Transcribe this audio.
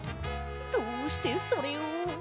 どうしてそれを？